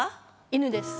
犬です。